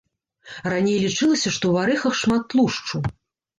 Раней лічылася, што ў арэхах шмат тлушчу.